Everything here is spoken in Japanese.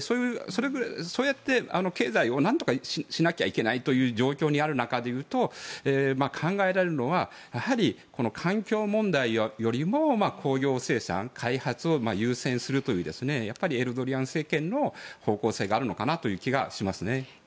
そうやって経済をなんとかしなきゃいけないという状況にあるという意味で言うと考えられるのは環境問題よりも工業生産、開発を優先するというエルドアン政権の方向性があるのかなという気がしますね。